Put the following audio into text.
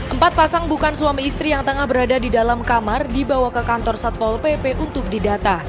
empat pasang bukan suami istri yang tengah berada di dalam kamar dibawa ke kantor satpol pp untuk didata